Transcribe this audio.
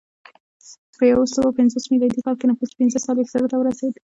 په یو سوه پنځوس میلادي کال کې نفوس پنځه څلوېښت زرو ته ورسېد